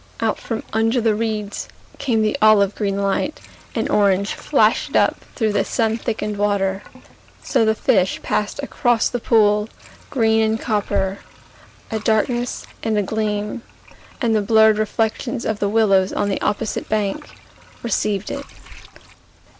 Out from under the reeds Came the olive green light, And orange flashed up Through the sun thickened water. So the fish passed across the pool, Green and copper, A darkness and a gleam, And the blurred reflections of the willows on the opposite bank Received it.